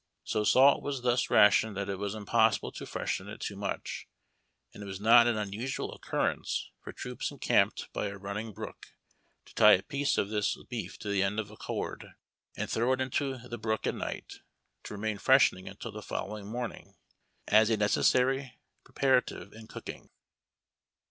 So salt was this ration that it was impossible to freshen it too much, and it was not an unusual occurrence for troops encamped by a running brook to tie a piece of this beef to the end of a cord, and throw it into the brook at night, to remain freshening until the following morning as a necessary preparative to cooking.